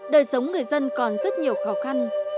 đời sống người dân còn rất nhiều khó khăn